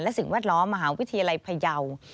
และสิ่งแวดล้อมมหาวิทยาลัยพยาว